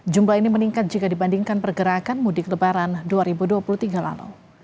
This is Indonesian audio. jumlah ini meningkat jika dibandingkan pergerakan mudik lebaran dua ribu dua puluh tiga lalu